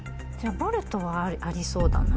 ボルトはありそうだな。